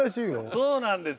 そうなんです。